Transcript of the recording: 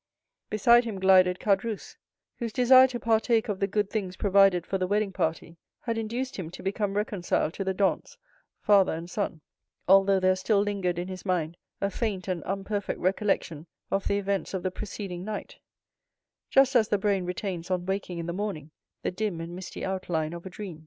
Beside him glided Caderousse, whose desire to partake of the good things provided for the wedding party had induced him to become reconciled to the Dantès, father and son, although there still lingered in his mind a faint and unperfect recollection of the events of the preceding night; just as the brain retains on waking in the morning the dim and misty outline of a dream.